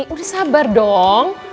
udah sabar dong